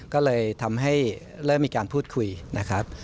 ก็เลยทำให้เริ่มมีการพูดคุยนะครับ